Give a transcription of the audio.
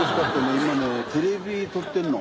今ねテレビ撮ってるの。